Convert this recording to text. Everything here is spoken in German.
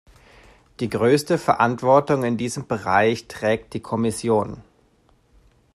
Die größte Verantwortung in diesem Bereich trägt die Kommission.